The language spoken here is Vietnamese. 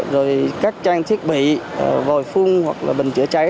rồi các trang thiết bị vòi phun hoặc là bình chữa cháy